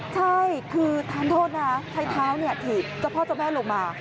ใช่คือทานโทษนะใช้เท้าถีบเจ้าพ่อเจ้าแม่ลงมา